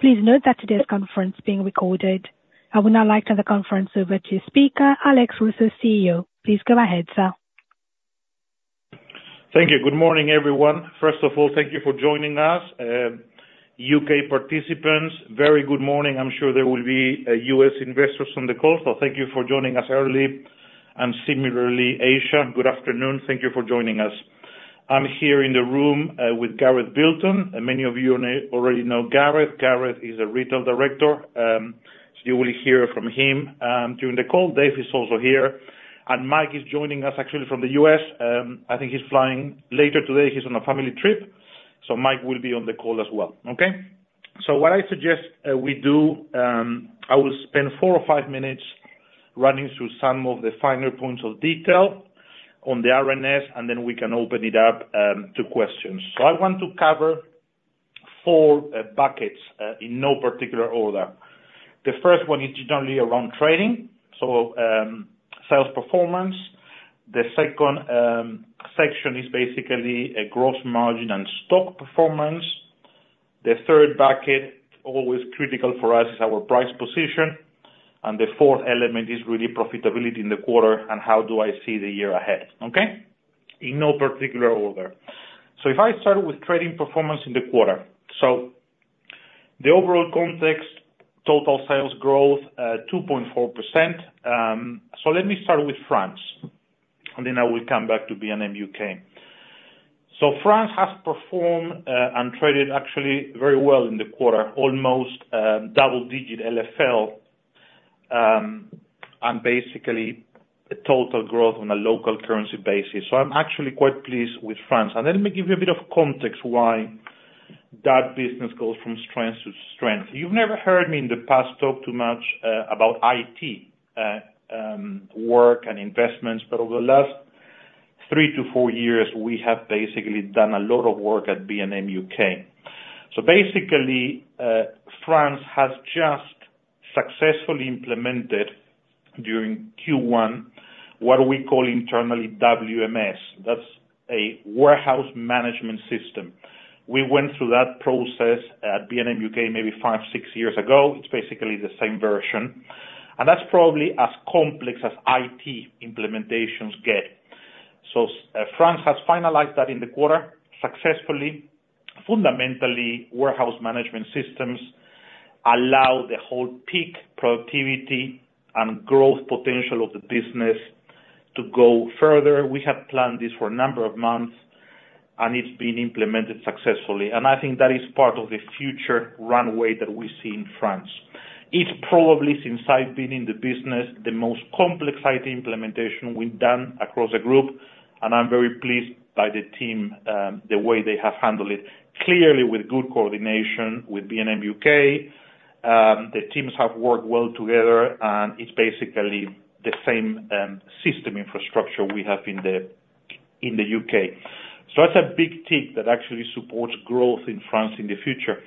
Please note that today's conference is being recorded. I would now like to turn the conference over to speaker, Alex Russo, CEO. Please go ahead, sir. Thank you. Good morning, everyone. First of all, thank you for joining us. U.K. participants, very good morning. I'm sure there will be U.S. investors on the call, so thank you for joining us early. And similarly, Asia, good afternoon, thank you for joining us. I'm here in the room with Gareth Bilton, and many of you already know Gareth. Gareth is a Retail Director. So you will hear from him during the call. Dave is also here, and Mike is joining us actually from the U.S. I think he's flying later today. He's on a family trip, so Mike will be on the call as well. Okay? So what I suggest we do, I will spend four or five minutes running through some of the finer points of detail on the RNS, and then we can open it up to questions. So I want to cover four buckets in no particular order. The first one is generally around trading, so sales performance. The second section is basically a gross margin and stock performance. The third bucket, always critical for us, is our price position and the fourth element is really profitability in the quarter and how do I see the year ahead, okay? In no particular order. So if I start with trading performance in the quarter. So the overall context, total sales growth 2.4%. So let me start with France, and then I will come back to B&M U.K. So France has performed and traded actually very well in the quarter, almost double-digit LFL, and basically a total growth on a local currency basis. So I'm actually quite pleased with Franc- and let me give you a bit of context why that business goes from strength-to-strength. You've never heard me in the past talk too much about IT work and investments, but over the last three to four years, we have basically done a lot of work at B&M U.K. So basically, France has just successfully implemented, during Q1, what we call internally WMS. that's a warehouse management system. We went through that process at B&M U.K. maybe five, six years ago. It's basically the same version and that's probably as complex as IT implementations get. So France has finalized that in the quarter successfully. Fundamentally, warehouse management systems allow the whole peak productivity and growth potential of the business to go further. We have planned this for a number of months, and it's been implemented successfully, and I think that is part of the future runway that we see in France. It's probably, since I've been in the business, the most complex IT implementation we've done across the group, and I'm very pleased by the team, the way they have handled it. Clearly, with good coordination with B&M U.K., the teams have worked well together, and it's basically the same, system infrastructure we have in the U.K.. So that's a big tick that actually supports growth in France in the future.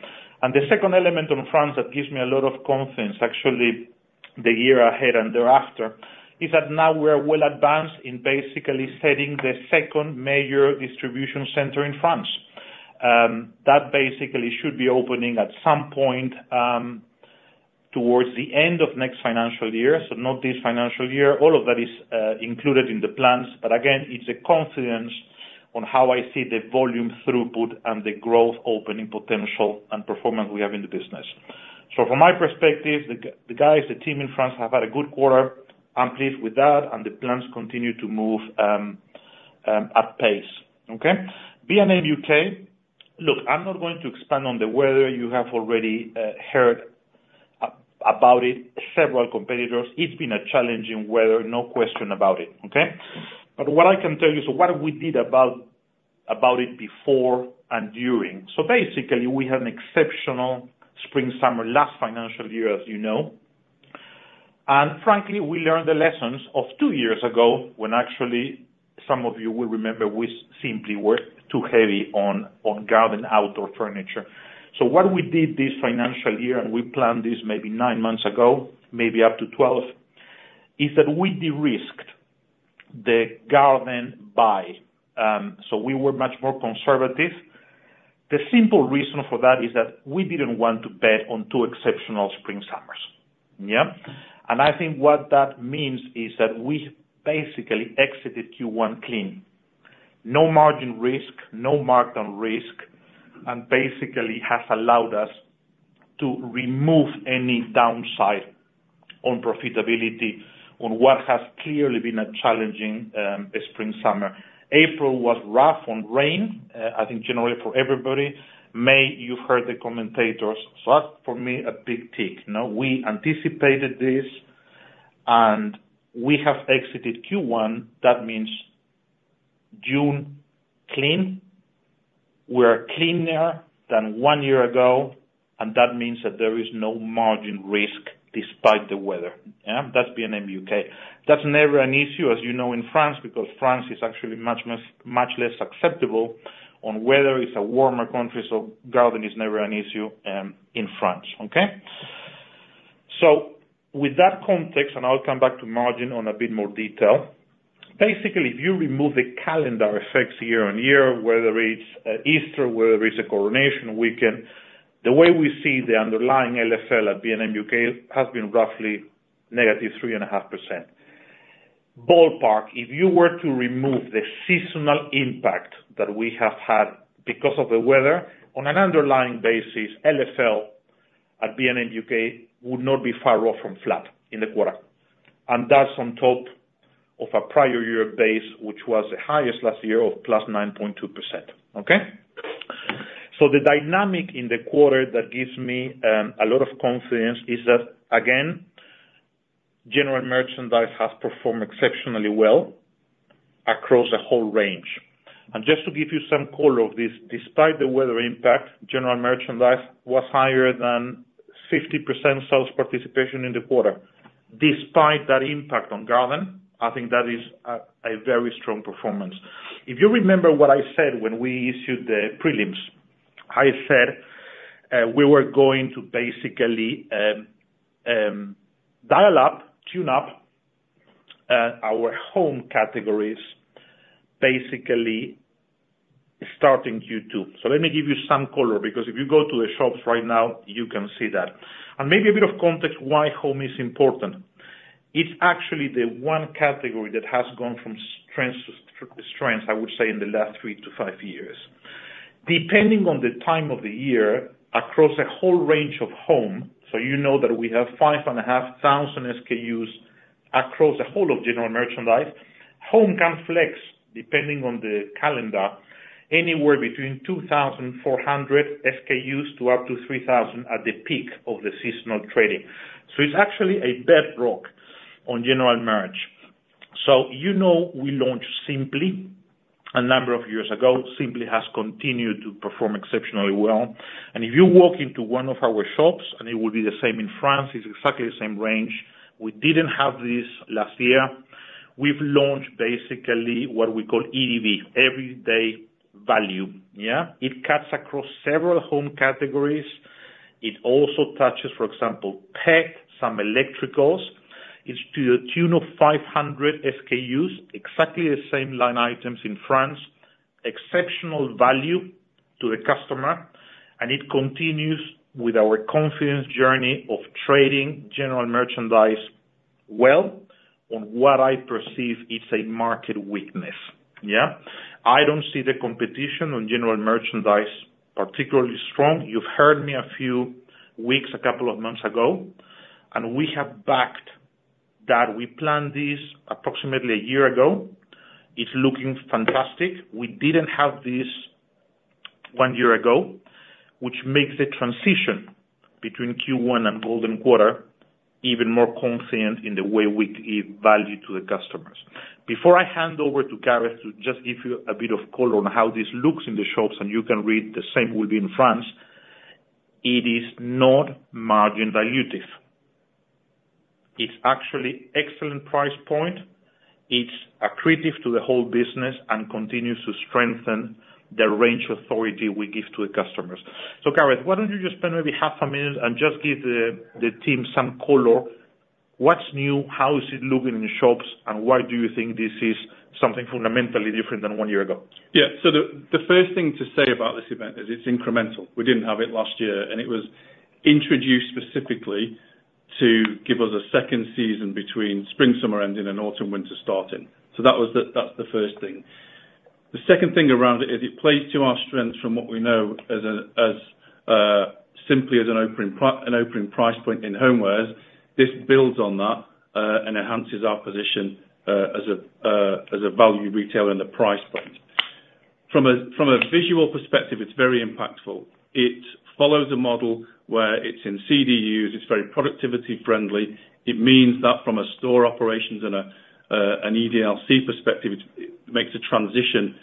The second element on France that gives me a lot of confidence, actually, the year ahead and thereafter, is that now we are well advanced in basically setting the second major distribution center in France. That basically should be opening at some point, towards the end of next financial year, so not this financial year. All of that is included in the plans, but again, it's a confidence on how I see the volume throughput and the growth opening potential and performance we have in the business. So from my perspective, the guys, the team in France, have had a good quarter. I'm pleased with that, and the plans continue to move at pace. Okay? B&M U.K.... Look, I'm not going to expand on the weather. You have already heard about it, several competitors. It's been a challenging weather, no question about it, okay? But what I can tell you, so what we did about it before and during. So basically, we had an exceptional spring/summer last financial year, as you know and frankly, we learned the lessons of two years ago, when actually, some of you will remember, we simply were too heavy on Garden outdoor furniture. So what we did this financial year, and we planned this maybe nine months ago, maybe up to 12, is that we de-risked the Garden buy. So we were much more conservative. The simple reason for that is that we didn't want to bet on two exceptional spring/summers. Yeah? And I think what that means is that we basically exited Q1 clean. No margin risk, no markdown risk, and basically has allowed us to remove any downside on profitability on what has clearly been a challenging spring/summer. April was rough on rain, I think generally for everybody. May, you've heard the commentators. So that, for me, a big tick. Now, we anticipated this, and we have exited Q1, that means June, clean. We are cleaner than one year ago, and that means that there is no margin risk despite the weather. Yeah? That's B&M U.K.. That's never an issue, as you know, in France, because France is actually much less, much less acceptable on weather. It's a warmer country, so Garden is never an issue in France, okay? So with that context, and I'll come back to margin on a bit more detail. Basically, if you remove the calendar effects year-on-year, whether it's Easter, whether it's a coronation weekend, the way we see the underlying LFL at B&M U.K. has been roughly -3.5%. Ballpark, if you were to remove the seasonal impact that we have had because of the weather, on an underlying basis, LFL at B&M U.K. would not be far off from flat in the quarter, and that's on top of a prior year base, which was the highest last year of +9.2%. Okay? So the dynamic in the quarter that gives me a lot of confidence is that, General Merchandise has performed exceptionally well across the whole range. Just to give you some color of this, despite the weather General Merchandise was higher than 50% sales participation in the quarter. Despite that impact on Garden, I think that is a very strong performance. If you remember what I said when we issued the prelims, I said, we were going to basically, dial up, tune up, our Home categories, basically starting Q2. So let me give you some color, because if you go to the shops right now, you can see that and maybe a bit of context why Home is important. It's actually the one category that has gone from strength-to-strength, I would say, in the last three to five years. Depending on the time of the year, across a whole range of Home, so you know that we have 5,500 SKUs across the whole of General Merchandise. Home can flex, depending on the calendar, anywhere between 2,400 SKUs to up to 3,000 at the peak of the seasonal trading. So it's actually a bedrock on General Merch. So you know, we launched Simply a number of years ago. Simply has continued to perform exceptionally well. And if you walk into one of our shops, and it will be the same in France, it's exactly the same range. We didn't have this last year. We've launched basically what we call EDV, Everyday Value. Yeah? It cuts across several Home categories. It also touches, for example, Pet, some Electricals. It's to the tune of 500 SKUs, exactly the same line items in France, exceptional value to the customer, and it continues with our confidence journey of General Merchandise well on what I perceive is a market weakness. Yeah? I don't see the competition General Merchandise particularly strong. You've heard me a few weeks, a couple of months ago, and we have backed that. We planned this approximately a year ago. It's looking fantastic. We didn't have this one year ago, which makes the transition between Q1 and Golden Quarter even more confident in the way we give value to the customers. Before I hand over to Gareth, to just give you a bit of color on how this looks in the shops, and you can read the same will be in France, it is not margin dilutive. It's actually excellent price point. It's accretive to the whole business and continues to strengthen the range authority we give to the customers. So, Gareth, why don't you just spend maybe half a minute and just give the team some color? What's new, how is it looking in the shops, and why do you think this is something fundamentally different than one year ago? Yeah. So the first thing to say about this event is it's incremental. We didn't have it last year, and it was introduced specifically to give us a second season between spring/summer ending and autumn/winter starting. So that was the. That's the first thing. The second thing around it is it plays to our strengths from what we know as simply as an opening price point in Homewares. This builds on that, and enhances our position as a value retailer in the price point. From a visual perspective, it's very impactful. It follows a model where it's in CDUs, it's very productivity friendly. It means that from a store operations and an EDLC perspective, it makes the transition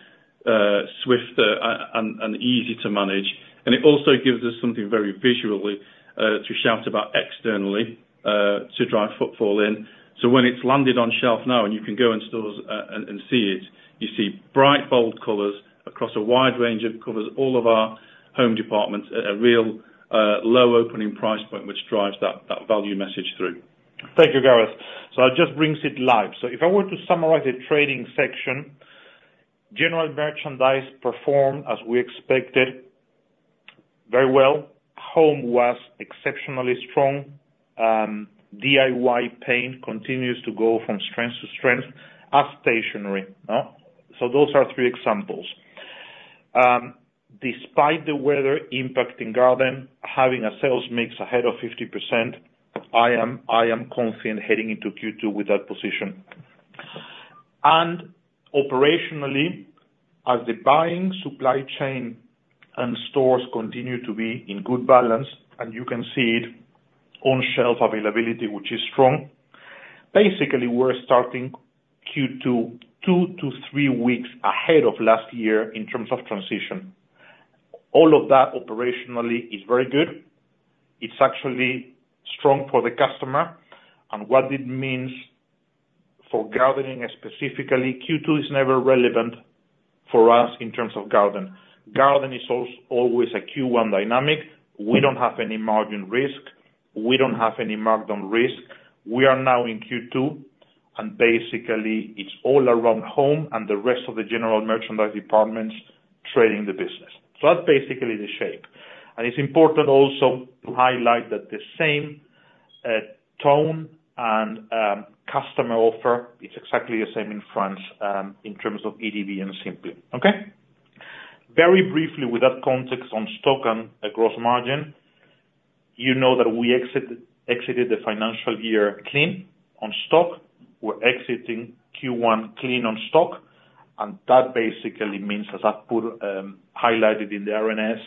swifter and easy to manage. It also gives us something very visually to shout about externally to drive footfall in. When it's landed on shelf now, and you can go in stores and see it, you see bright, bold colors across a wide range of colors, all of our Home departments at a real low opening price point, which drives that value message through. Thank you, Gareth. So it just brings it live. So if I were to summarize the trading General Merchandise performed as we expected, very well. Home was exceptionally strong, DIY Paint continues to go from strength-to-strength, as Stationery. Huh? So those are three examples. Despite the weather impacting Garden, having a sales mix ahead of 50%, I am, I am confident heading into Q2 with that position. Operationally, as the buying supply chain and stores continue to be in good balance, and you can see it on shelf availability, which is strong, basically, we're starting Q2, two to three weeks ahead of last year in terms of transition. All of that operationally is very good. It's actually strong for the customer and what it means-... for Gardening specifically, Q2 is never relevant for us in terms of Garden. Garden is always a Q1 dynamic. We don't have any margin risk, we don't have any markdown risk. We are now in Q2, and basically it's all around Home and the rest of General Merchandise departments trading the business. So that's basically the shape and it's important also to highlight that the same tone and customer offer, it's exactly the same in France, in terms of EDV and Simply. Okay? Very briefly, with that context on stock and gross margin, you know that we exited the financial year clean on stock. We're exiting Q1 clean on stock, and that basically means, as I highlighted in the RNS,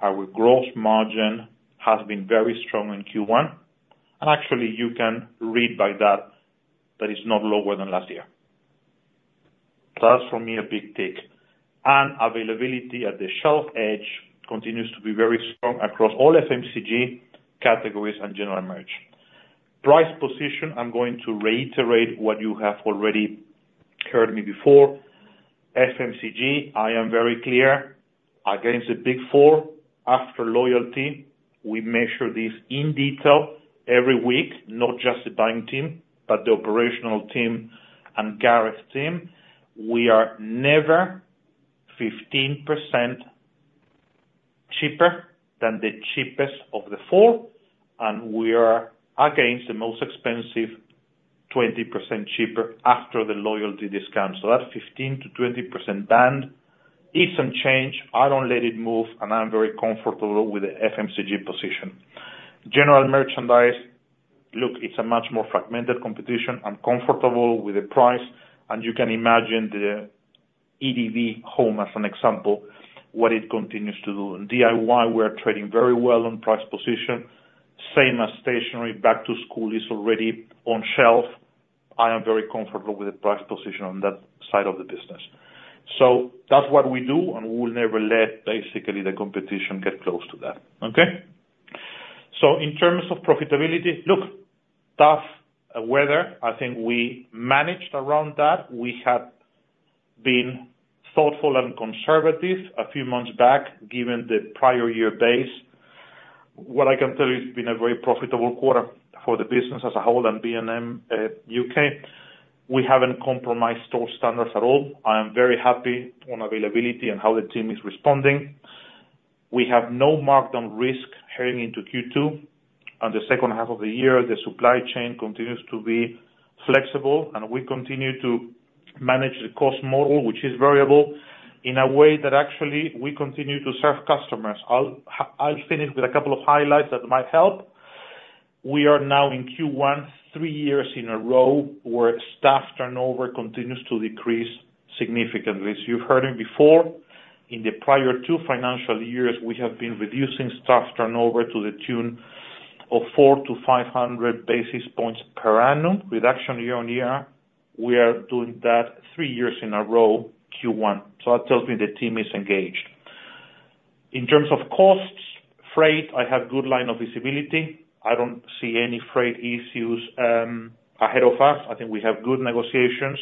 our gross margin has been very strong in Q1 and actually, you can read by that, that it's not lower than last year. That's for me, a big tick. Availability at the shelf edge continues to be very strong across all FMCG categories and General Merch. Price position, I'm going to reiterate what you have already heard me before. FMCG, I am very clear, against the Big Four, after loyalty, we measure this in detail every week, not just the buying team, but the operational team and Gareth's team. We are never 15% cheaper than the cheapest of the four, and we are, against the most expensive, 20% cheaper after the loyalty discount. So that 15%-20% band, it's some change. I don't let it move, and I'm very comfortable with the FMCG General Merchandise, look, it's a much more fragmented competition. I'm comfortable with the price, and you can imagine the EDV Home, as an example, what it continues to do. In DIY, we're trading very well on price position. Same as Stationery. Back to school is already on shelf. I am very comfortable with the price position on that side of the business. So that's what we do, and we will never let, basically, the competition get close to that. Okay? So in terms of profitability, look, tough, weather, I think we managed around that. We have been thoughtful and conservative a few months back, given the prior year base. What I can tell you, it's been a very profitable quarter for the business as a whole and B&M U.K. We haven't compromised store standards at all. I am very happy on availability and how the team is responding. We have no markdown risk heading into Q2 and the second half of the year. The supply chain continues to be flexible, and we continue to manage the cost model, which is variable, in a way that actually we continue to serve customers. I'll finish with a couple of highlights that might help. We are now in Q1, three years in a row, where staff turnover continues to decrease significantly. So you've heard it before, in the prior two financial years, we have been reducing staff turnover to the tune of 400-500 basis points per annum, with actually year-on-year, we are doing that three years in a row, Q1. So that tells me the team is engaged. In terms of costs, freight, I have good line of visibility. I don't see any freight issues ahead of us. I think we have good negotiations.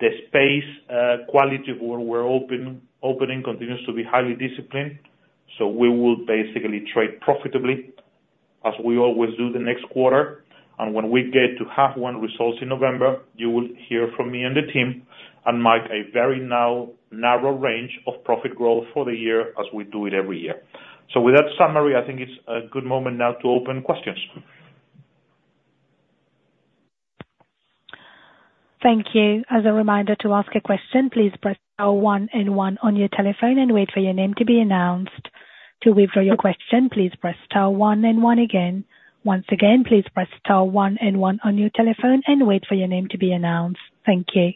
The space quality where we're opening continues to be highly disciplined, so we will basically trade profitably, as we always do the next quarter. When we get to half one results in November, you will hear from me and the team and Mike a very narrow range of profit growth for the year, as we do it every year. So with that summary, I think it's a good moment now to open questions. Thank you. As a reminder to ask a question, please press star one and one on your telephone and wait for your name to be announced. To withdraw your question, please press star one and one again. Once again, please press star one and one on your telephone and wait for your name to be announced. Thank you.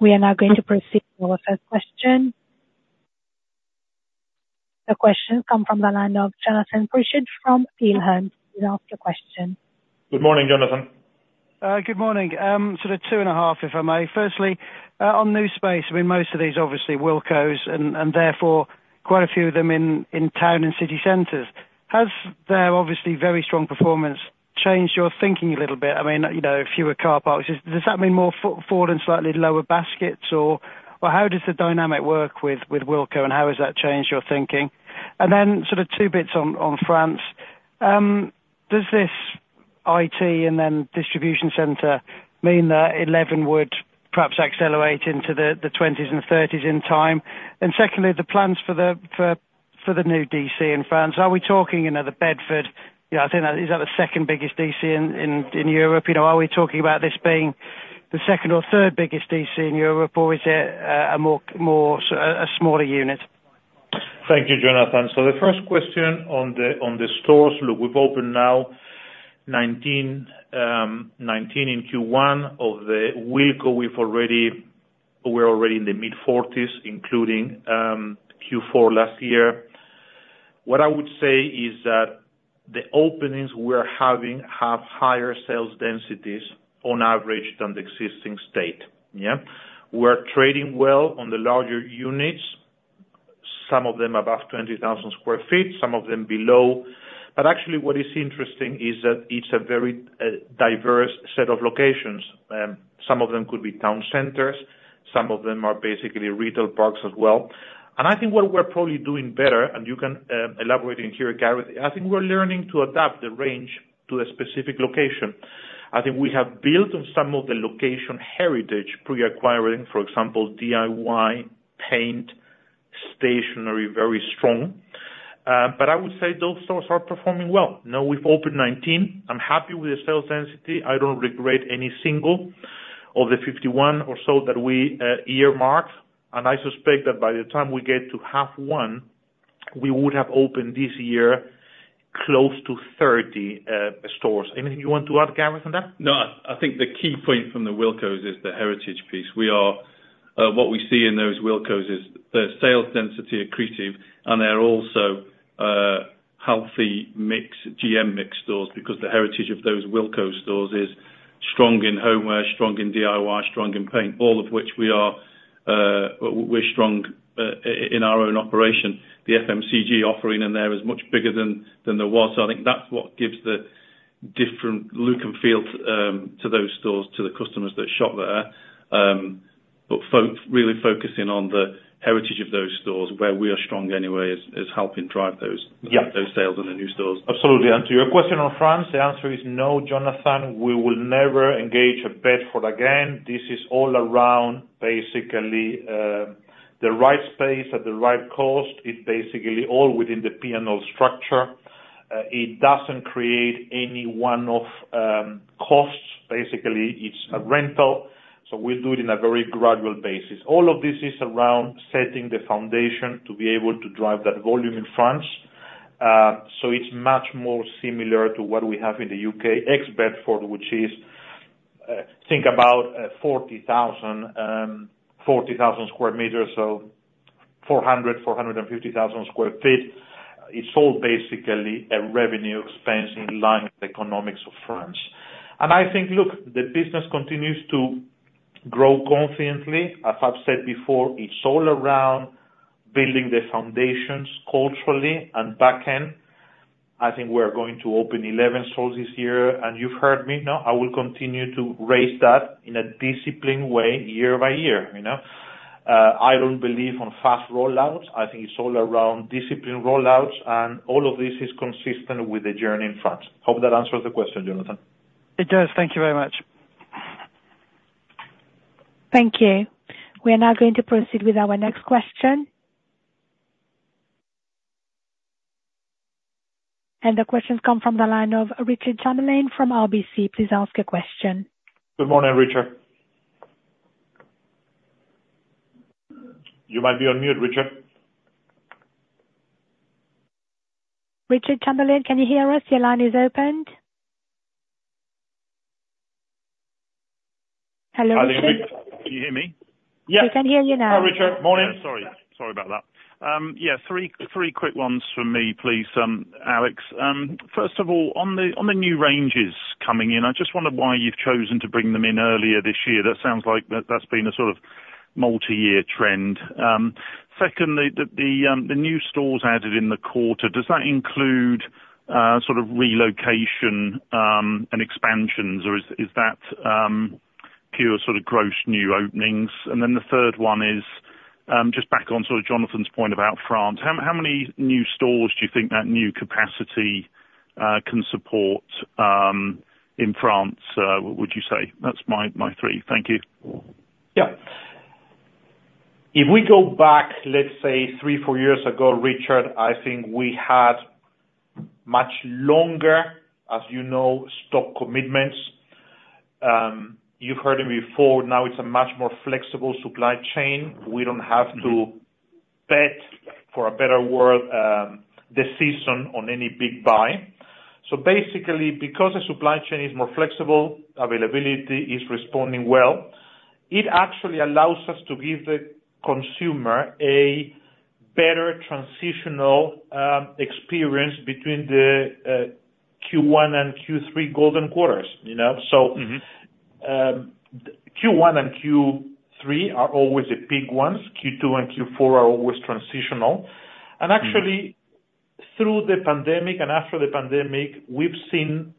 We are now going to proceed with our first question. The question come from the line of Jonathan Pritchard from Peel Hunt. You can ask your question. Good morning, Jonathan. Good morning. Sort of 2.5, if I may. Firstly, on new space, I mean, most of these obviously Wilkos and therefore quite a few of them in town and city centers. Has their obviously very strong performance changed your thinking a little bit? I mean, you know, fewer car parks. Does that mean more footfall and slightly lower baskets or... Well, how does the dynamic work with Wilko, and how has that changed your thinking? And then sort of two bits on France. Does this IT and then distribution center mean that 11 would perhaps accelerate into the 20s and 30s in time? And secondly, the plans for the new DC in France, are we talking, you know, the Bedford? You know, I think that is the second biggest DC in Europe? You know, are we talking about this being the second or third biggest DC in Europe, or is it a more a smaller unit? Thank you, Jonathan. So the first question on the stores. Look, we've opened now 19 in Q1 of the Wilko. We're already in the mid-40s, including Q4 last year. What I would say is that the openings we are having have higher sales densities on average than the existing estate. Yeah? We're trading well on the larger units. Some of them above 20,000 sq ft, some of them below. But actually what is interesting is that it's a very diverse set of locations. Some of them could be town centers, some of them are basically retail parks as well. I think what we're probably doing better, and you can elaborate in here, Gareth, I think we're learning to adapt the range to a specific location. I think we have built on some of the location heritage pre-acquiring, for example, DIY, Paint, Stationery, very strong. But I would say those stores are performing well. Now, we've opened 19. I'm happy with the sales density. I don't regret any single of the 51 or so that we earmark, and I suspect that by the time we get to half one, we would have opened this year close to 30 stores. Anything you want to add, Gareth, on that? No, I think the key point from the Wilkos is the heritage piece. What we see in those Wilkos is the sales density accretive, and they're also healthy mix, GM mix stores, because the heritage of those Wilko stores is strong in Homeware, strong in DIY, strong in Paint, all of which we are we're strong in our own operation. The FMCG offering in there is much bigger than there was. So I think that's what gives the different look and feel to those stores, to the customers that shop there. But really focusing on the heritage of those stores, where we are strong anyway, is helping drive those- Yeah... those sales in the new stores. Absolutely and to your question on France, the answer is no, Jonathan, we will never engage a Bedford again. This is all around basically the right space at the right cost. It's basically all within the P&L structure. It doesn't create any one-off costs. Basically, it's a rental, so we do it in a very gradual basis. All of this is around setting the foundation to be able to drive that volume in France. So it's much more similar to what we have in the U.K, ex-Bedford, which is, think about 40,000 square meters, so 400,000-450,000 sq ft. It's all basically a revenue expense in line with the economics of France and I think, look, the business continues to grow confidently. As I've said before, it's all around building the foundations culturally and back-end. I think we're going to open 11 stores this year, and you've heard me, no? I will continue to raise that in a disciplined way, year by year, you know. I don't believe on fast rollouts. I think it's all around disciplined rollouts, and all of this is consistent with the journey in France. Hope that answers the question, Jonathan. It does. Thank you very much. Thank you. We are now going to proceed with our next question. The question come from the line of Richard Chamberlain from RBC. Please ask your question. Good morning, Richard. You might be on mute, Richard. Richard Chamberlain, can you hear us? Your line is opened. Hello, Richard. Can you hear me? Yeah. We can hear you now. Hi, Richard. Morning. Sorry. Sorry about that. Yeah, three quick ones from me, please, Alex. First of all, on the new ranges coming in, I just wondered why you've chosen to bring them in earlier this year. That sounds like that's been a sort of multi-year trend. Secondly, the new stores added in the quarter, does that include sort of relocation and expansions, or is that pure sort of gross new openings? And then the third one is just back on sort of Jonathan's point about France, how many new stores do you think that new capacity can support in France, would you say? That's my three. Thank you. Yeah. If we go back, let's say, three, four years ago, Richard, I think we had much longer, as you know, stock commitments. You've heard it before, now it's a much more flexible supply chain. We don't have to bet for a better world, the season on any big buy. So basically, because the supply chain is more flexible, availability is responding well, it actually allows us to give the consumer a better transitional experience between the Q1 and Q3 Golden Quarters, you know? Q1 and Q3 are always the big ones. Q2 and Q4 are always transitional. Actually, through the pandemic and after the pandemic, we've seen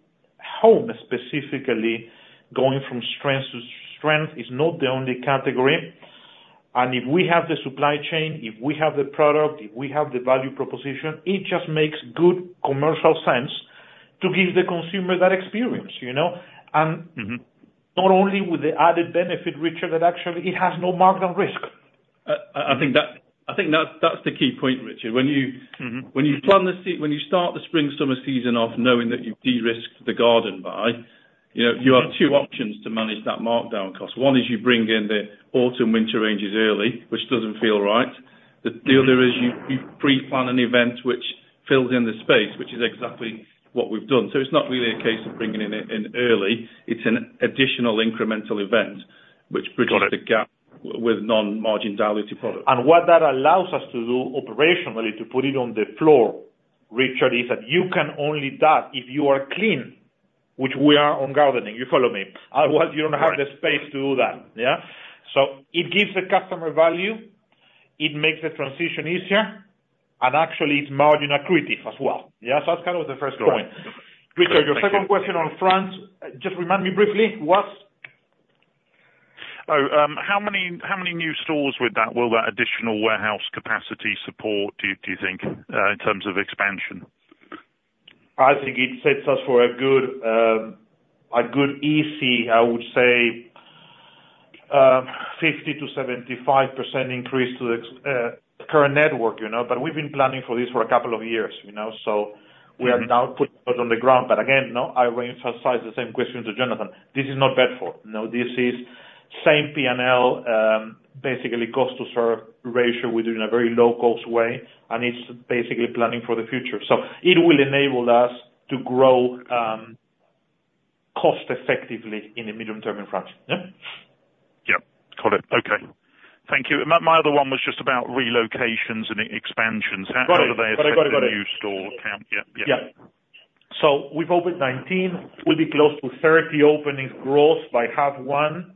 Home, specifically, going from strength to strength is not the only category and if we have the supply chain, if we have the product, if we have the value proposition, it just makes good commercial sense to give the consumer that experience, you know? Not only with the added benefit, Richard, but actually it has no markdown risk. I think that that's the key point, Richard. When you-... when you start the spring/summer season off knowing that you've de-risked the Garden buy, you know, you have two options to manage that markdown cost. One is you bring in the autumn/winter ranges early, which doesn't feel right. The other is you pre-plan an event which fills in the space, which is exactly what we've done. So it's not really a case of bringing it in early, it's an additional incremental event which bridges the gap- Got it... with non-margin diluted products. What that allows us to do operationally, to put it on the floor, Richard, is that you can only do that if you are clean, which we are on Gardening, you follow me? Otherwise, you don't have the space to do that, yeah? So it gives the customer value, it makes the transition easier, and actually it's margin accretive as well. Yeah, so that's kind of the first point. Richard, your second question on France, just remind me briefly, what? Oh, how many new stores will that additional warehouse capacity support, do you think, in terms of expansion? I think it sets us for a good, a good easy, I would say, 50%-75% increase to the existing current network, you know, but we've been planning for this for a couple of years, you know, so-We are now putting those on the ground. But again, no, I will emphasize the same question to Jonathan. This is not Bedford. No, this is same P&L, basically cost to serve ratio. We do it in a very low-cost way, and it's basically planning for the future. So it will enable us to grow, cost effectively in the medium term in France, yeah? Yeah. Got it. Okay. Thank you. And my, my other one was just about relocations and expansions. Got it. How do they affect the new store count? Yeah, yeah. Yeah. So we've opened 19, we'll be close to 30 openings gross by half one.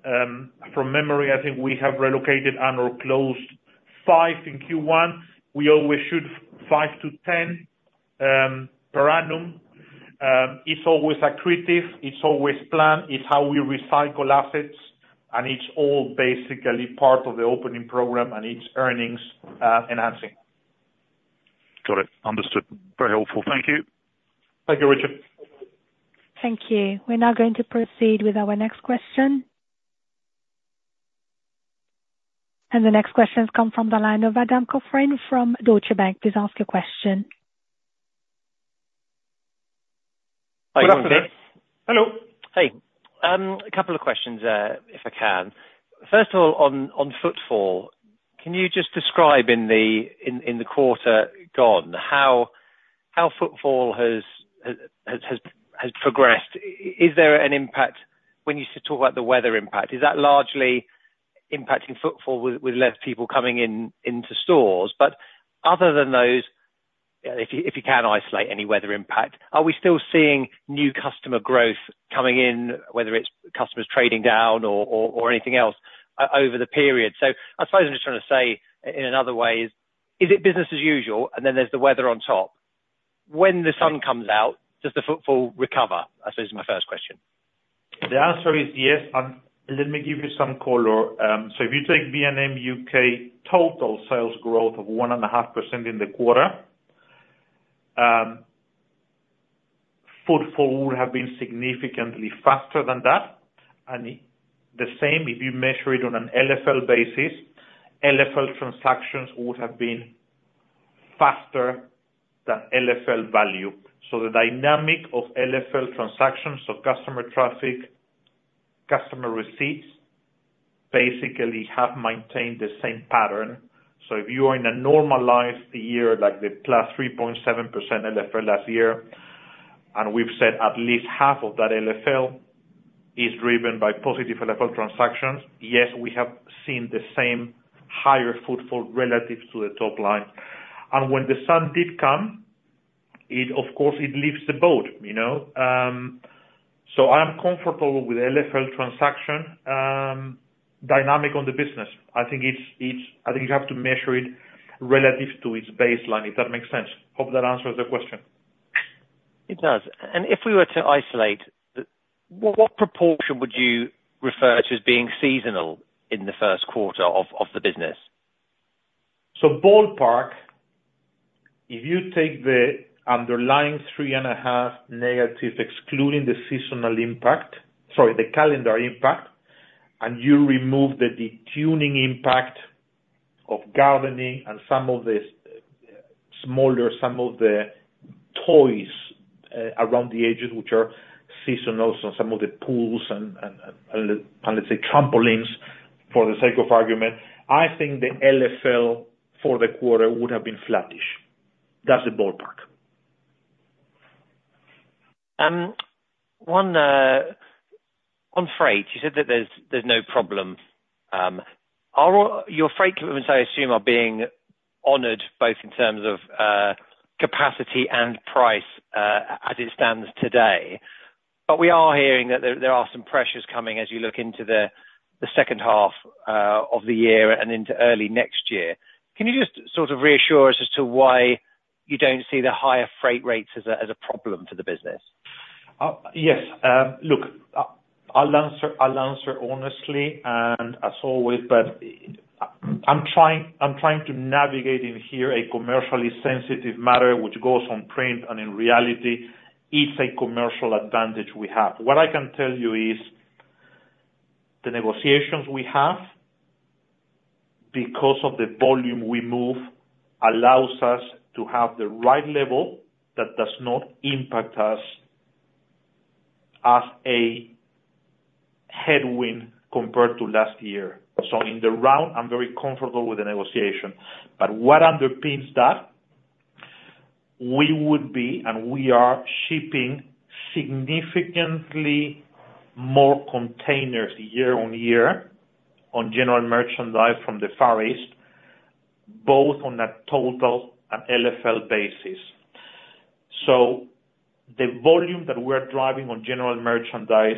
From memory, I think we have relocated and/or closed five in Q1. We always shoot five to 10, per annum. It's always accretive, it's always planned, it's how we recycle assets, and it's all basically part of the opening program and it's earnings enhancing. Got it. Understood. Very helpful. Thank you. Thank you, Richard. Thank you. We're now going to proceed with our next question. The next question comes from the line of Adam Cochrane from Deutsche Bank. Please ask your question. Hi, good afternoon. Hello. Hey. A couple of questions, if I can. First of all, on footfall, can you just describe in the quarter gone, how footfall has progressed? Is there an impact when you talk about the weather impact, is that largely impacting footfall with less people coming into stores? But other than those, if you can isolate any weather impact, are we still seeing new customer growth coming in, whether it's customers trading down or anything else over the period? So I suppose I'm just trying to say in another way is, is it business as usual, and then there's the weather on top? When the sun comes out, does the footfall recover? I suppose is my first question. The answer is yes, and let me give you some color. So if you take B&M U.K., total sales growth of 1.5% in the quarter, footfall would have been significantly faster than that, and the same if you measure it on an LFL basis, LFL transactions would have been faster than LFL value. So the dynamic of LFL transactions, so customer traffic, customer receipts, basically have maintained the same pattern. So if you are in a normalized year, like the +3.7% LFL last year, and we've said at least half of that LFL is driven by positive LFL transactions, yes, we have seen the same higher footfall relative to the top line. And when the sun did come, it of course, it leaves the boat, you know. So I am comfortable with the LFL transaction, dynamic on the business. I think it's, I think you have to measure it relative to its baseline, if that makes sense. Hope that answers the question. It does and if we were to isolate, what proportion would you refer to as being seasonal in the first quarter of the business? So ballpark, if you take the underlying -3.5, excluding the seasonal impact, sorry, the calendar impact, and you remove the detuning impact of Gardening and some of the smaller toys around the edges, which are seasonal, so some of the pools and let's say trampolines, for the sake of argument, I think the LFL for the quarter would have been flattish. That's the ballpark. One on freight, you said that there's no problem. Are all your freight commitments, I assume, being honored both in terms of capacity and price, as it stands today? But we are hearing that there are some pressures coming as you look into the second half of the year and into early next year. Can you just sort of reassure us as to why you don't see the higher freight rates as a problem for the business? Yes. Look, I'll answer honestly and as always, but I'm trying to navigate a commercially sensitive matter, which goes on print, and in reality, it's a commercial advantage we have. What I can tell you is, the negotiations we have, because of the volume we move, allows us to have the right level that does not impact us as a headwind compared to last year. So in the round, I'm very comfortable with the negotiation. But what underpins that, we would be, and we are shipping significantly more containers year-on-year, General Merchandise from the Far East, both on a total and LFL basis. So the volume that we're driving General Merchandise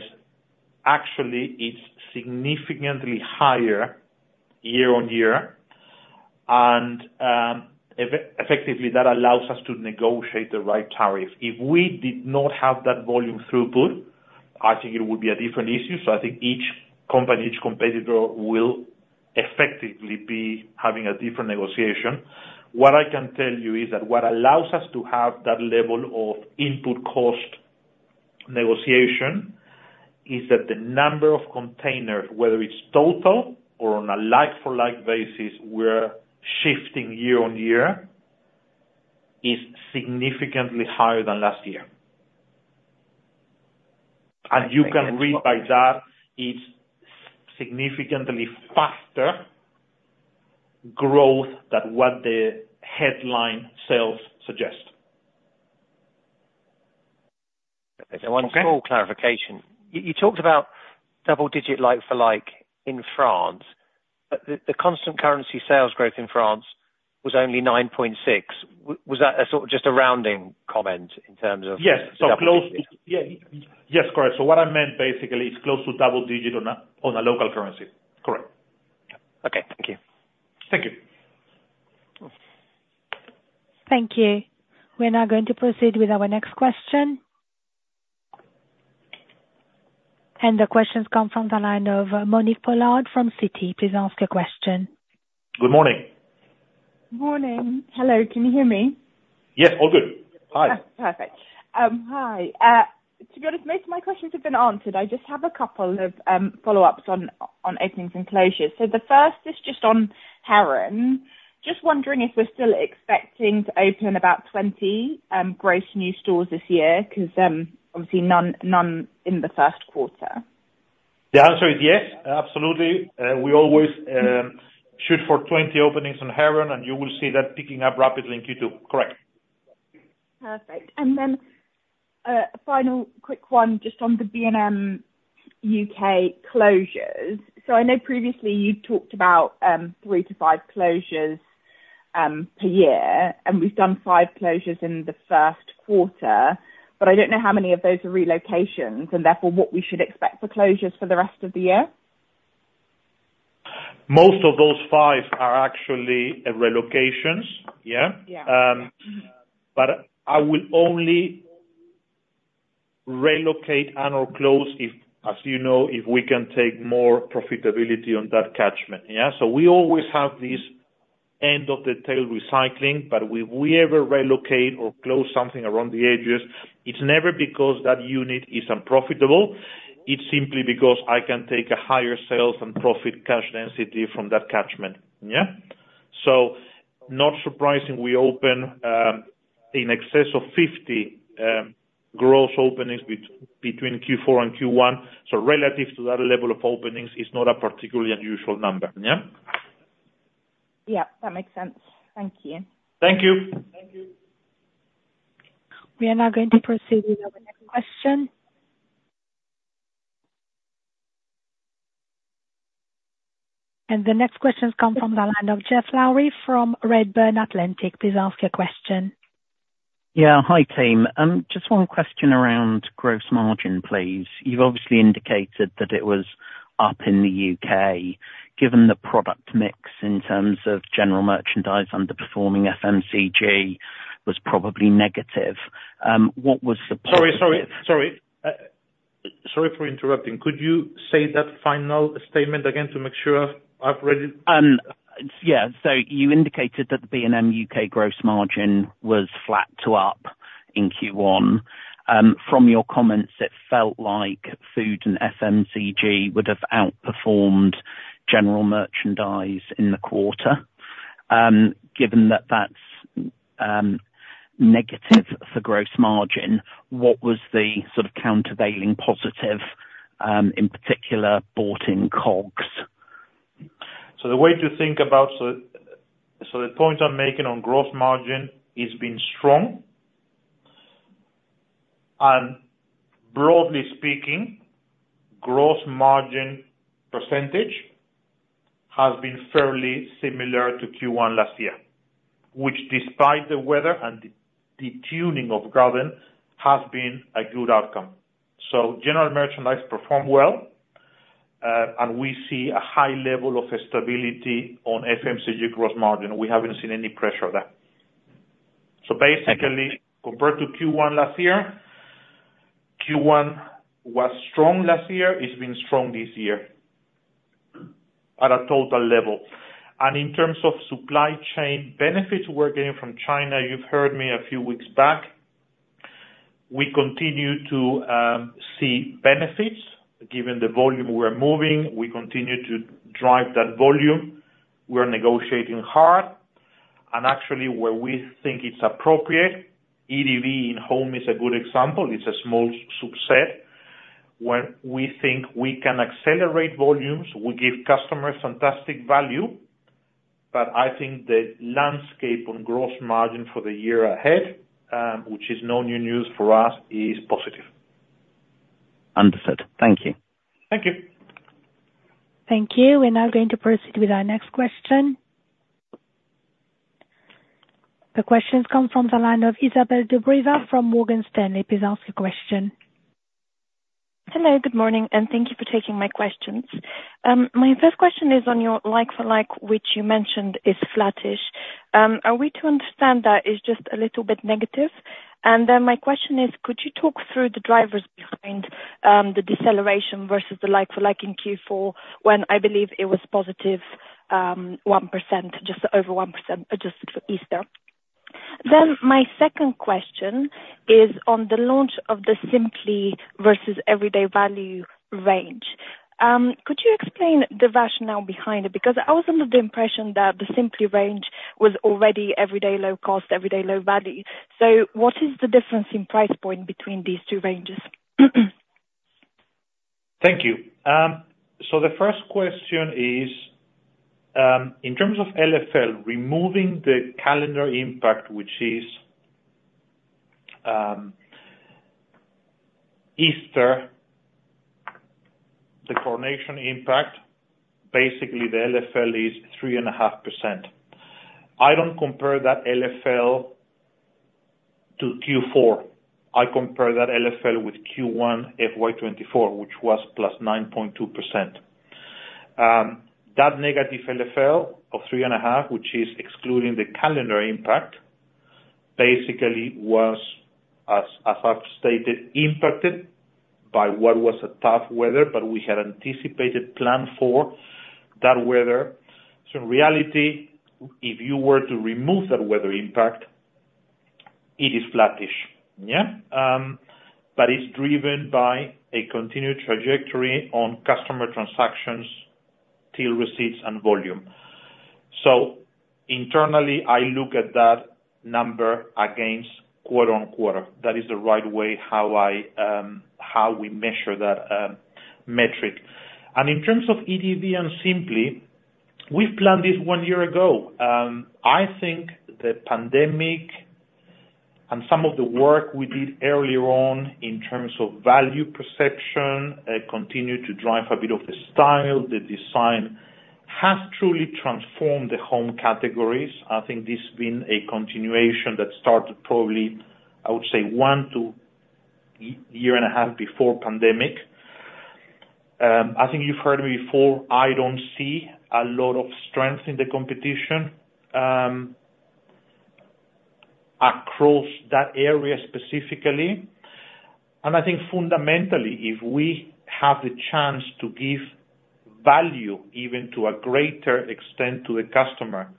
actually is significantly higher year-on-year, and effectively, that allows us to negotiate the right tariff. If we did not have that volume throughput, I think it would be a different issue. So I think each company, each competitor, will effectively be having a different negotiation. What I can tell you is that what allows us to have that level of input cost negotiation, is that the number of containers, whether it's total or on a like for like basis, we're shifting year-on-year, is significantly higher than last year. And you can read by that, it's significantly faster growth than what the headline sales suggest. So one small clarification. You talked about double-digit like for like in France, but the constant currency sales growth in France was only 9.6%. Was that a sort of just a rounding comment in terms of- Yes. So close- Double-digit. Yeah. Yes, correct. So what I meant basically is close to double-digit on a local currency. Correct. Okay, thank you. Thank you. Thank you. We're now going to proceed with our next question. The question's come from the line of Monique Pollard from Citi. Please ask your question. Good morning. Morning. Hello, can you hear me? Yes, all good. Hi. Perfect. Hi, to be honest, most of my questions have been answered. I just have a couple of follow-ups on openings and closures. So the first is just on Heron. Just wondering if we're still expecting to open about 20 gross new stores this year, 'cause obviously none in the first quarter. The answer is yes, absolutely. We always shoot for 20 openings on Heron, and you will see that picking up rapidly in Q2. Correct. Perfect and then, a final quick one, just on the B&M U.K. closures. So I know previously you talked about, 3-5 closures, per year, and we've done five closures in the first quarter, but I don't know how many of those are relocations, and therefore what we should expect for closures for the rest of the year? Most of those five are actually relocations. Yeah. Yeah. But I will only relocate and/or close if, as you know, if we can take more profitability on that catchment, yeah? So we always have this end of the tail recycling, but if we ever relocate or close something around the edges, it's never because that unit is unprofitable, it's simply because I can take a higher sales and profit cash density from that catchment. Yeah? So not surprising, we open in excess of 50 gross openings between Q4 and Q1. So relative to that level of openings is not a particularly unusual number. Yeah? Yeah, that makes sense. Thank you. Thank you. Thank you. We are now going to proceed with our next question. The next question comes from the line of Geoff Lowery from Redburn Atlantic. Please ask your question. Yeah. Hi, team. Just one question around gross margin, please. You've obviously indicated that it was up in the U.K., given the product mix in terms General Merchandise underperforming FMCG, was probably negative. What was the- Sorry, sorry, sorry. Sorry for interrupting. Could you say that final statement again to make sure I've read it? Yeah. So you indicated that the B&M U.K. gross margin was flat to up in Q1. From your comments, it felt like food and FMCG would have General Merchandise in the quarter. Given that that's negative for gross margin, what was the sort of countervailing positive, in particular, bought in COGS? So the point I'm making on gross margin, it's been strong. And broadly speaking, gross margin percentage has been fairly similar to Q1 last year, which despite the weather and detuning of Garden, has been a good outcome. General Merchandise performed well, and we see a high level of stability on FMCG gross margin. We haven't seen any pressure there. So basically, compared to Q1 last year, Q1 was strong last year, it's been strong this year at a total level and in terms of supply chain benefits we're getting from China, you've heard me a few weeks back, we continue to see benefits given the volume we're moving, we continue to drive that volume. We are negotiating hard, and actually, where we think it's appropriate, EDV in Home is a good example, it's a small subset. When we think we can accelerate volumes, we give customers fantastic value. But I think the landscape on gross margin for the year ahead, which is no new news for us, is positive. Understood. Thank you. Thank you. Thank you. We're now going to proceed with our next question. The question comes from the line of Izabel Dobreva from Morgan Stanley. Please ask your question. Hello, good morning, and thank you for taking my questions. My first question is on your like for like, which you mentioned is flattish. Are we to understand that it's just a little bit negative? And then my question is, could you talk through the drivers behind the deceleration versus the like-for-like in Q4, when I believe it was positive 1%, just over 1%, adjusted for Easter? Then my second question is on the launch of the Simply versus Everyday Value range. Could you explain the rationale behind it? Because I was under the impression that the Simply range was already everyday low cost, everyday low value. So what is the difference in price point between these two ranges? Thank you. So the first question is, in terms of LFL, removing the calendar impact, which is Easter, the coronation impact, basically the LFL is 3.5%. I don't compare that LFL to Q4. I compare that LFL with Q1 FY 2024, which was +9.2%. That negative LFL of 3.5, which is excluding the calendar impact, basically was, as I've stated, impacted by what was a tough weather, but we had anticipated plan for that weather. So in reality, if you were to remove that weather impact, it is flattish. Yeah? But it's driven by a continued trajectory on customer transactions, till receipts and volume. So internally, I look at that number against quarter-on-quarter. That is the right way, how I, how we measure that metric. In terms of EDV and Simply, we planned this one year ago. I think the pandemic and some of the work we did earlier on in terms of value perception, continued to drive a bit of the style. The design has truly transformed the Home categories. I think this has been a continuation that started probably, I would say, one to year and a half before pandemic. I think you've heard me before, I don't see a lot of strength in the competition, across that area specifically. I think fundamentally, if we have the chance to give value even to a greater extent to the customer,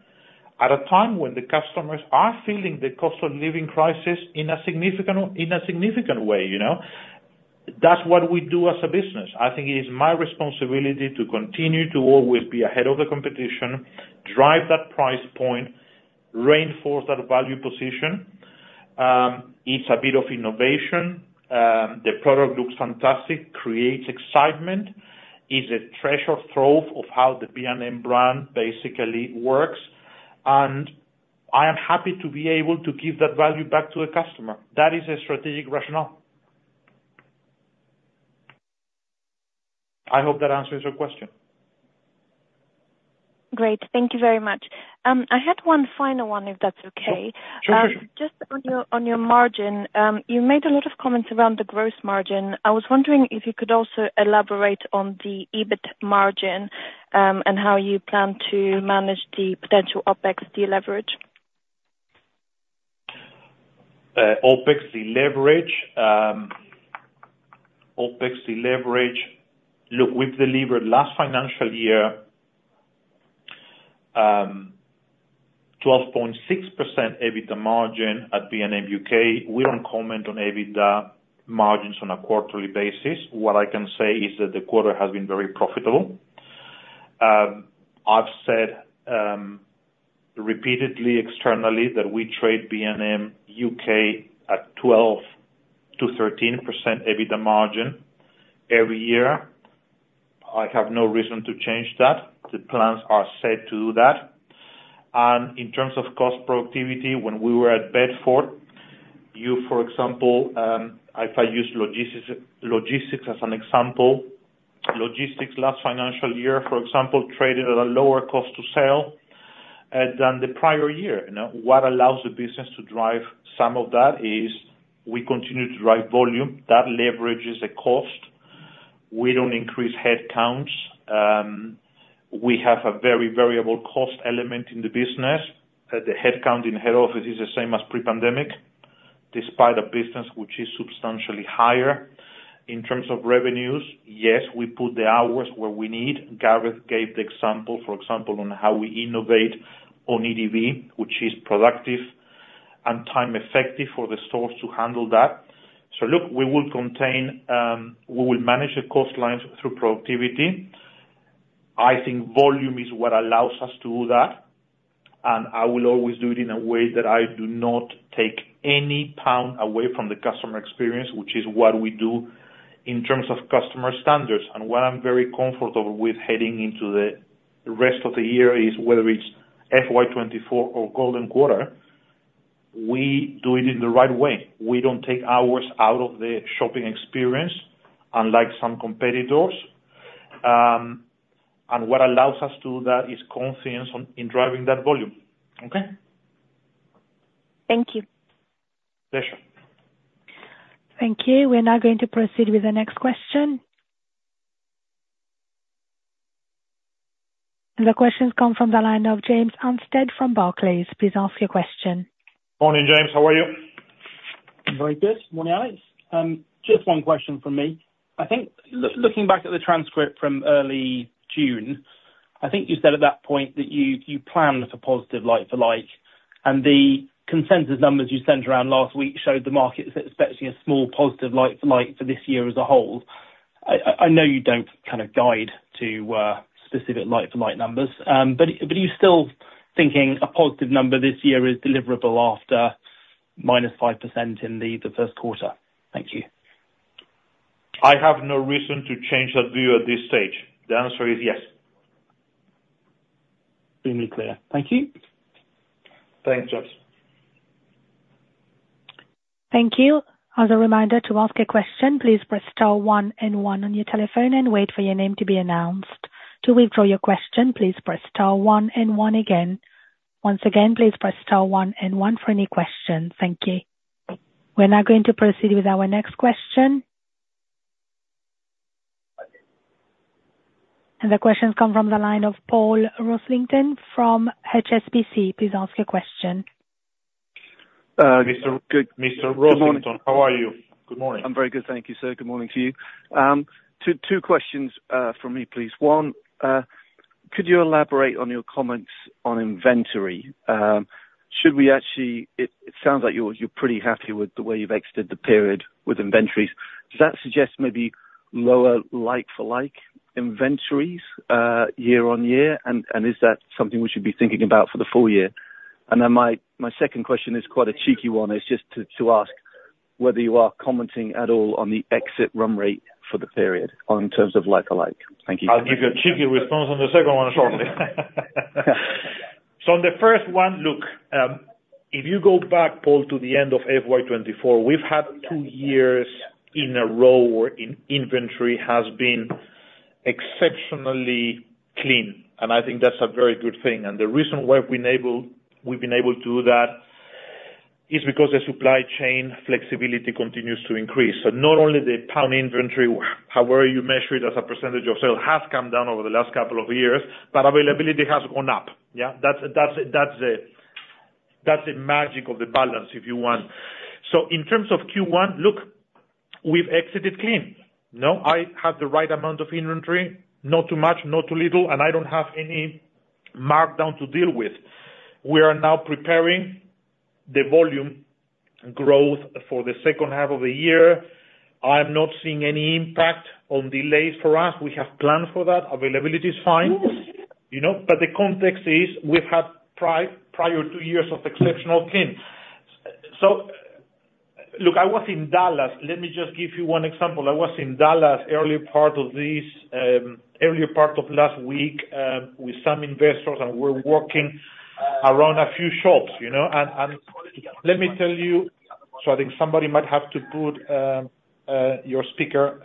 at a time when the customers are feeling the cost of living crisis in a significant, in a significant way, you know, that's what we do as a business. I think it is my responsibility to continue to always be ahead of the competition, drive that price point, reinforce that value position. It's a bit of innovation. The product looks fantastic, creates excitement, is a treasure trove of how the B&M brand basically works, and I am happy to be able to give that value back to the customer. That is a strategic rationale. I hope that answers your question. Great. Thank you very much. I had one final one, if that's okay. Sure, sure, sure. Just on your margin. You made a lot of comments around the gross margin. I was wondering if you could also elaborate on the EBIT margin, and how you plan to manage the potential OpEx deleverage. OpEx deleverage. OpEx deleverage. Look, we've delivered last financial year, 12.6% EBITDA margin at B&M U.K.. We don't comment on EBITDA margins on a quarterly basis. What I can say is that the quarter has been very profitable. I've said repeatedly, externally, that we trade B&M U.K. at 12%-13% EBITDA margin every year. I have no reason to change that. The plans are set to do that. And in terms of cost productivity, when we were at Bedford, you, for example, if I use logistics as an example, logistics last financial year, for example, traded at a lower cost to serve than the prior year, you know. What allows the business to drive some of that is we continue to drive volume. That leverages the cost. We don't increase headcounts. We have a very variable cost element in the business. The headcount in head office is the same as pre-pandemic, despite a business which is substantially higher. In terms of revenues, yes, we put the hours where we need. Gareth gave the example, for example, on how we innovate on EDV, which is productive and time effective for the stores to handle that. So look, we will contain... we will manage the cost lines through productivity. I think volume is what allows us to do that, and I will always do it in a way that I do not take any pound away from the customer experience, which is what we do in terms of customer standards. What I'm very comfortable with heading into the rest of the year is, whether it's FY 2024 or Golden Quarter... we do it in the right way. We don't take hours out of the shopping experience, unlike some competitors. What allows us to do that is confidence in driving that volume. Okay? Thank you. Pleasure. Thank you. We're now going to proceed with the next question. The question comes from the line of James Anstead from Barclays. Please ask your question. Morning, James. How are you? Very good. Morning, Alex. Just one question from me. I think, looking back at the transcript from early June, I think you said at that point that you planned for positive like-for-like, and the consensus numbers you sent around last week showed the market expecting a small positive like-for-like for this year as a whole. I know you don't kind of guide to specific like-for-like numbers, but are you still thinking a positive number this year is deliverable after -5% in the first quarter? Thank you. I have no reason to change that view at this stage. The answer is yes. Pretty clear. Thank you. Thanks, James. Thank you. As a reminder, to ask a question, please press star one and one on your telephone and wait for your name to be announced. To withdraw your question, please press star one and one again. Once again, please press star one and one for any questions. Thank you. We're now going to proceed with our next question. The question comes from the line of Paul Rossington from HSBC. Please ask your question. Mr. Rossington- Good morning. How are you? Good morning. I'm very good, thank you, sir. Good morning to you. Two questions from me, please. One, could you elaborate on your comments on inventory? Should we actually... It sounds like you're pretty happy with the way you've exited the period with inventories. Does that suggest maybe lower like-for-like inventories year-on-year? And is that something we should be thinking about for the full year? And then my second question is quite a cheeky one, is just to ask whether you are commenting at all on the exit run rate for the period on terms of like-for-like? Thank you. I'll give you a cheeky response on the second one, shortly. Yeah. So on the first one, look, if you go back, Paul, to the end of FY 2024, we've had two years in a row where inventory has been exceptionally clean, and I think that's a very good thing. The reason why we've been able to do that is because the supply chain flexibility continues to increase. So not only the pound inventory, however you measure it, as a percentage of sales, has come down over the last couple of years, but availability has gone up, yeah? That's the magic of the balance, if you want. So in terms of Q1, look, we've exited clean. Now, I have the right amount of inventory, not too much, not too little, and I don't have any markdown to deal with. We are now preparing the volume growth for the second half of the year. I'm not seeing any impact on delays for us. We have planned for that. Availability is fine, you know, but the context is we've had prior two years of exceptional clean. So look, I was in Dallas. Let me just give you one example. I was in Dallas early part of this, early part of last week, with some investors, and we're walking around a few shops, you know, and, and let me tell you... So I think somebody might have to put your speaker,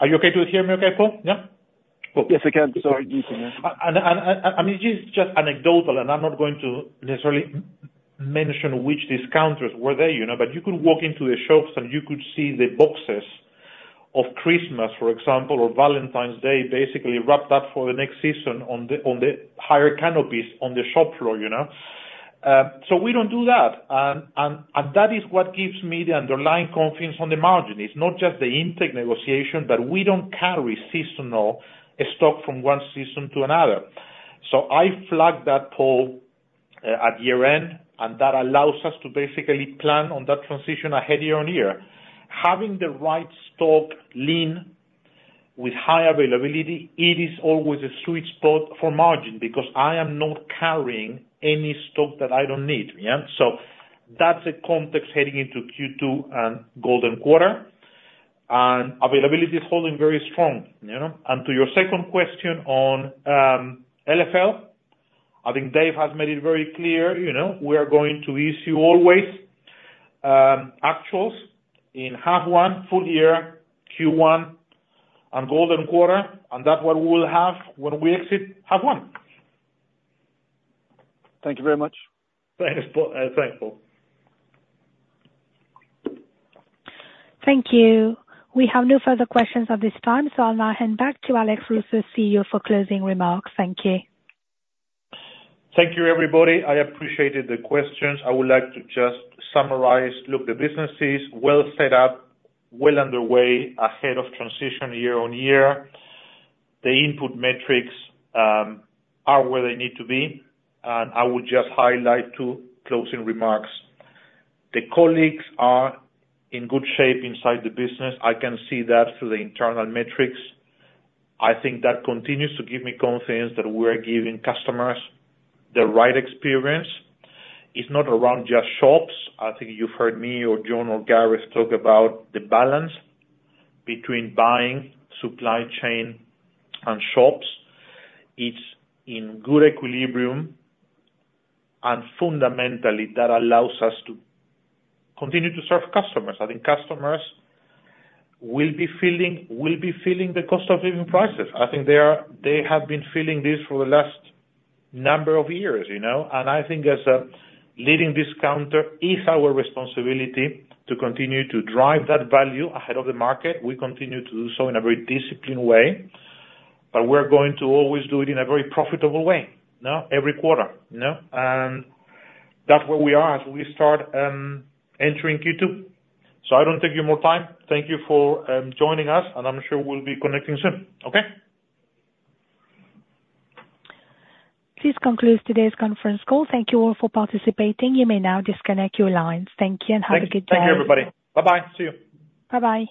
are you okay to hear me okay, Paul? Yeah. Yes, I can. Sorry, you say that. And this is just anecdotal, and I'm not going to necessarily mention which discounters were there, you know, but you could walk into the shops, and you could see the boxes of Christmas, for example, or Valentine's Day, basically wrapped up for the next season on the higher canopies on the shop floor, you know? So we don't do that and that is what gives me the underlying confidence on the margin. It's not just the intake negotiation, but we don't carry seasonal stock from one season to another. So I flagged that, Paul, at year-end, and that allows us to basically plan on that transition ahead year-on-year. Having the right stock lean with high availability, it is always a sweet spot for margin, because I am not carrying any stock that I don't need, yeah? That's the context heading into Q2 and Golden Quarter, and availability is holding very strong, you know. To your second question on LFL, I think Dave has made it very clear, you know, we are going to issue always actuals in half one, full year, Q1, and Golden Quarter, and that's what we will have when we exit half one. Thank you very much. Thanks, Paul, thanks, Paul. Thank you. We have no further questions at this time, so I'll now hand back to Alex Russo, CEO, for closing remarks. Thank you. Thank you, everybody. I appreciated the questions. I would like to just summarize. Look, the business is well set up, well underway, ahead of transition year-on-year. The input metrics are where they need to be, and I would just highlight two closing remarks. The colleagues are in good shape inside the business. I can see that through the internal metrics. I think that continues to give me confidence that we are giving customers the right experience. It's not around just shops. I think you've heard me or John or Gareth talk about the balance between buying, supply chain, and shops. It's in good equilibrium, and fundamentally, that allows us to continue to serve customers. I think customers will be feeling, will be feeling the cost of living prices. I think they have been feeling this for the last number of years, you know, and I think as a leading discounter, it's our responsibility to continue to drive that value ahead of the market. We continue to do so in a very disciplined way, but we're going to always do it in a very profitable way, now, every quarter, you know? And that's where we are as we start entering Q2. So I don't take you more time. Thank you for joining us, and I'm sure we'll be connecting soon. Okay? This concludes today's conference call. Thank you all for participating. You may now disconnect your lines. Thank you, and have a good day. Thank you, everybody. Bye-bye. See you. Bye-bye.